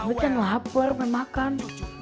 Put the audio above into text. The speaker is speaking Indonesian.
mereka kan lapar mau makan